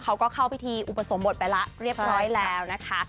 เขาก็เข้าพิธีอุปสมบทไปแล้วเรียบร้อยแล้วนะคะ